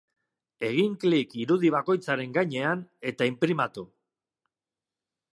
Egin klik irudi bakoitzaren gainean eta inprimatu.